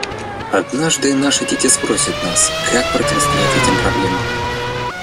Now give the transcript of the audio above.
Однажды наши дети спросят нас, как противостоять этим проблемам.